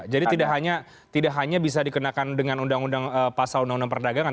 jadi tidak hanya bisa dikenakan dengan pasal undang undang perdagangan